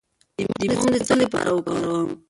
د موم د څه لپاره وکاروم؟